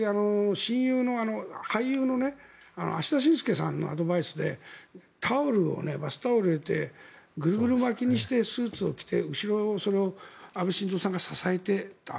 親友の、俳優の芦田伸介さんのアドバイスでバスタオルを入れてグルグル巻きにしてスーツを着て後ろ、それを安倍晋三さんが支えていた。